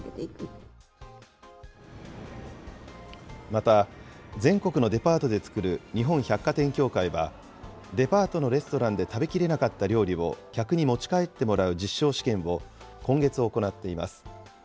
また、全国のデパートで作る日本百貨店協会は、デパートのレストランで食べきれなかった料理を客に持ち帰ってもらう実証試験を今月行っています。